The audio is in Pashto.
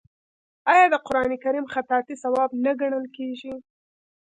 آیا د قران کریم خطاطي ثواب نه ګڼل کیږي؟